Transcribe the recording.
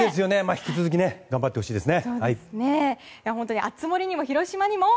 引き続き頑張ってほしいですね。